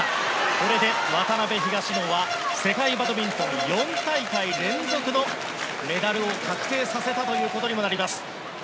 これで渡辺・東野は世界バドミントン４大会連続のメダルを確定させたということにもなります。